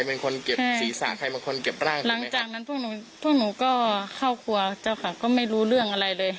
พวกหนูก็เข้าครัวเจ้าค่ะก็ไม่รู้เรื่องอะไรเลย